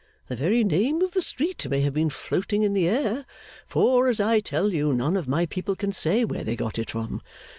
The very name of the street may have been floating in the air; for, as I tell you, none of my people can say where they got it from.